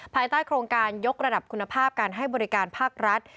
ภายใต้โครงการยกระดับคุณภาพการให้บริการภาครัฐ